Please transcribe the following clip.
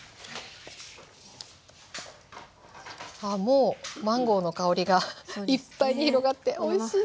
もうマンゴーの香りがいっぱいに広がっておいしそう。